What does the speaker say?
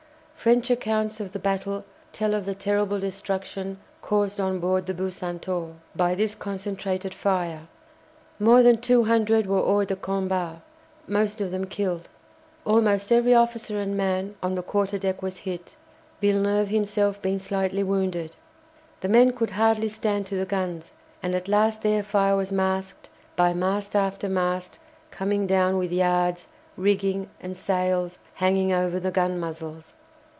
French accounts of the battle tell of the terrible destruction caused on board the "Bucentaure" by this concentrated fire. More than two hundred were hors de combat, most of them killed. Almost every officer and man on the quarter deck was hit, Villeneuve himself being slightly wounded. The men could hardly stand to the guns, and at last their fire was masked by mast after mast coming down with yards, rigging and sails hanging over the gun muzzles.